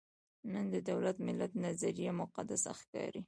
نن د دولت–ملت نظریه مقدس ښکاري.